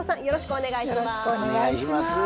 お願いします。